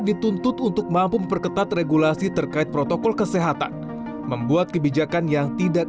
dituntut untuk mampu memperketat regulasi terkait protokol kesehatan membuat kebijakan yang tidak